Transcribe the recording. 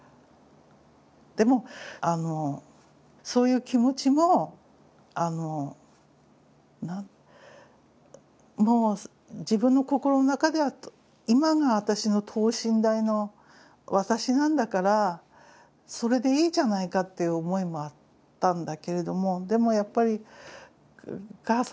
でもあのそういう気持ちももう自分の心の中では今の私の等身大の私なんだからそれでいいじゃないかっていう思いもあったんだけれどもでもやっぱりお母さんのがっかりしたような目もあって